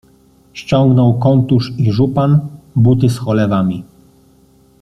ściągnął kontusz i żupan, buty z cholewami